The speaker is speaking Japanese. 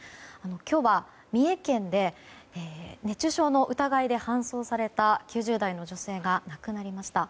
今日は三重県で熱中症の疑いで搬送された９０代の女性が亡くなりました。